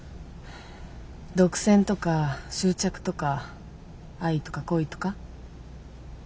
独占とか執着とか愛とか恋とか。